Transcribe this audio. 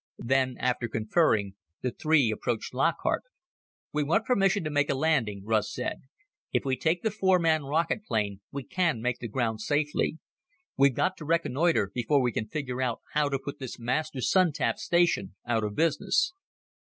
Then, after conferring, the three approached Lockhart. "We want permission to make a landing," Russ said. "If we take the four man rocket plane we can make the ground safely. We've got to reconnoiter before we can figure out how to put this master Sun tap station out of business."